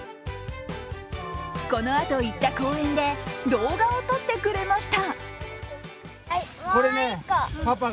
このあと行った公園で動画を撮ってくれました。